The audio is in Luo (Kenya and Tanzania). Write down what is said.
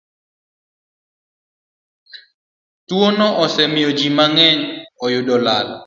Twono osemiyo ji mang'eny oyudo lal.